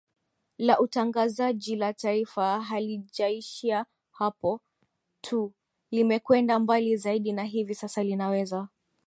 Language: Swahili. la Utangazaji la Taifa halijaishia hapo tu limekwenda mbali zaidi na hivi sasa linaweza